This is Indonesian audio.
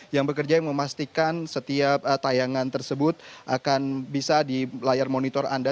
yang bekerja yang memastikan setiap tayangan tersebut akan bisa di layar monitor anda